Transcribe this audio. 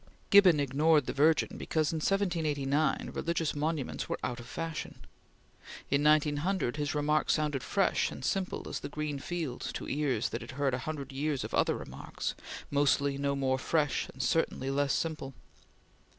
Gibbon ignored the Virgin, because in 1789 religious monuments were out of fashion. In 1900 his remark sounded fresh and simple as the green fields to ears that had heard a hundred years of other remarks, mostly no more fresh and certainly less simple.